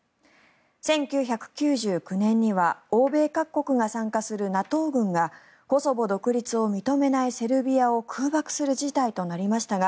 １９９９年には欧米各国が参加するＮＡＴＯ軍がコソボ独立を認めないセルビアを空爆する事態となりましたが